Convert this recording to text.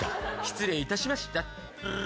失礼いたしました。